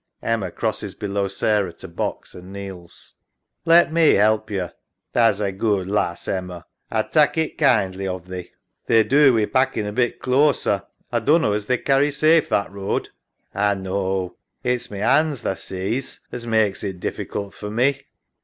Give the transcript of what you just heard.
EMMA {crosses below Sarah to box, and kneels). Let me help yo. SARAH. Tha's a good lass, Emma. A'd tak' it kindly of thee. EMMA. They'd do wi' packin' a bit closer. A dunno as they'd carry safe that road. SARAH. A know. It's my 'ands tha sees, as mak's it diffi cult for me.